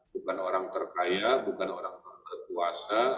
bukan orang terkaya bukan orang berkuasa